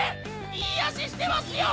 いい足してますよ！